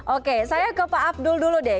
oke saya ke pak abdul dulu deh